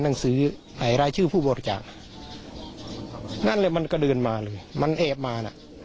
มีรายชื่อผู้บอกจากนั่นเลยมันกระเดินมาเลยมันแอบมานะ